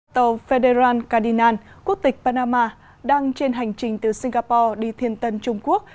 tàu federal cardinal quốc tịch panama đang trên hành trình từ singapore đi thiên tân trung quốc